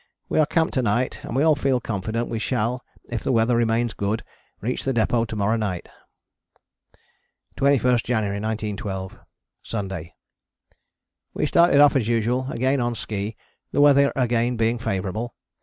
We are camped to night and we all feel confident we shall, if the weather remains good, reach the depôt to morrow night. 21st January 1912. Sunday: We started off as usual, again on ski, the weather again being favourable. Mr.